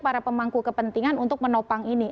para pemangku kepentingan untuk menopang ini